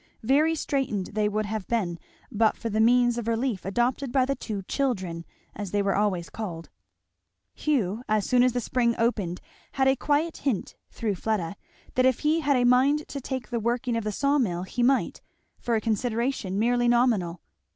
Very straitened they would have been but for the means of relief adopted by the two children, as they were always called. Hugh, as soon as the spring opened, had a quiet hint, through Fleda, that if he had a mind to take the working of the saw mill he might, for a consideration merely nominal.